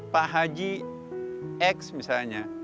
pak haji x misalnya